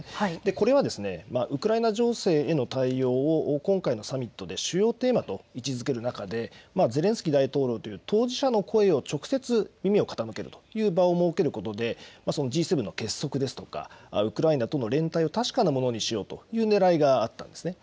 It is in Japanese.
これはウクライナ情勢への対応を今回のサミットで主要テーマと位置づける中でゼレンスキー大統領、当事者の声、直接耳を傾けるという場を設けることでＧ７の結束ですとかウクライナとの連帯を確かなものにしようというねらいがあったんですね。